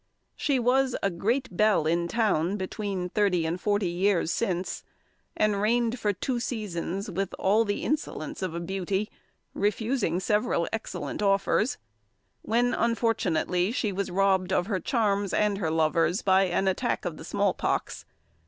She was a great belle in town between thirty and forty years since, and reigned for two seasons with all the insolence of beauty, refusing several excellent offers; when, unfortunately, she was robbed of her charms and her lovers by an attack of the small pox.